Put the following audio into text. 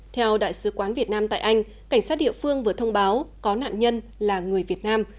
theo đại sứ quán việt nam tại anh cảnh sát địa phương vừa thông báo có nạn nhân là người việt nam